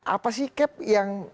apa sih cap yang